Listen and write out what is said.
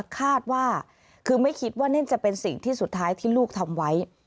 คาดว่าคือไม่คิดว่านั่นจะเป็นสิ่งที่สุดท้ายที่ลูกทำไว้